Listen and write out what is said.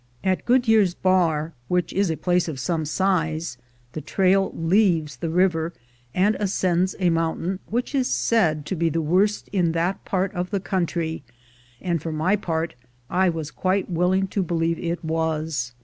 At Goodyear's Bar, which is a place of some size, the trail leaves the river, and ascends a mountain which is said to be the worst in that part of the country, and for my part I was quite willing to believe it was.